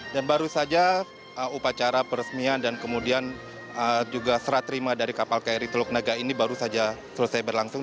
dan baru saja upacara peresmian dan kemudian juga serat terima dari kapal kri teluk naga ini baru saja selesai berlangsung